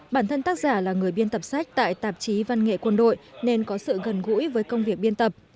bản thân tác giả là người biên tập sách tại tạp chí văn nghệ quân đội nên có sự gần gũi với công việc biên tập